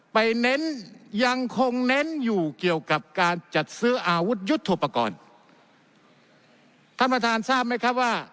เน้นยังคงเน้นอยู่เกี่ยวกับการจัดซื้ออาวุธยุทธโปรกรณ์ท่านประธานทราบไหมครับว่า